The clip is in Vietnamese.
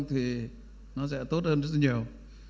thì nó sẽ tốt hơn rất là nhiều